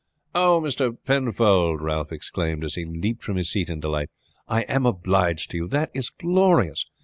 "Oh, Mr. Penfold!" Ralph exclaimed as he leaped from his seat in delight. "I am obliged to you. That is glorious.